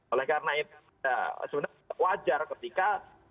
oleh karena itu sebenarnya wajar ketika